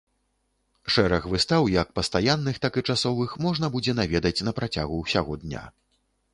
Шэраг выстаў як пастаянных, так і часовых можна будзе наведаць на працягу ўсяго дня.